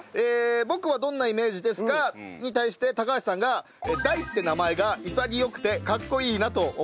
「僕はどんなイメージですか？」に対して橋さんが「大」って名前が潔くてかっこいいなと思っていた。